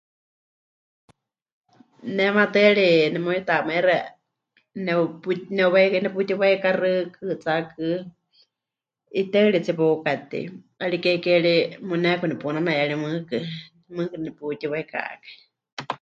Ne maatɨari nemuyutamaixɨa nepu... ne... neputiwaikáxɨ kɨɨtsákɨ, 'ɨteɨritsie peukatei, 'ariké ke ri muneeku nepunanaiyarie mɨɨkɨ, mɨɨkɨ neputíwaikakai.